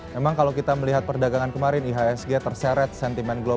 memang kalau kita melihat perdagangan kemarin ihsg terseret sentimen global